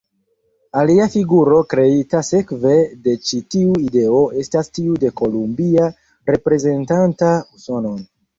Alia figuro kreita sekve de ĉi tiu ideo estas tiu de Kolumbia reprezentanta Usonon.